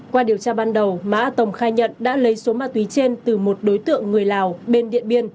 qua điều tra ban đầu má a tồng khai nhận đã lấy số ma túy trên từ một đối tượng người lào bên điện biên